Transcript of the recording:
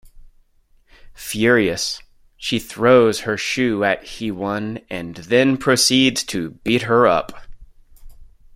Furious, she throws her shoe at Hee-won and then proceeds to beat her up.